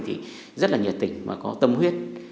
thì rất là nhiệt tình và có tâm huyết